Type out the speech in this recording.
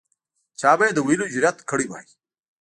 چا به یې د ویلو جرأت کړی وای.